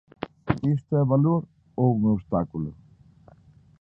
Iso é valor ou un obstáculo?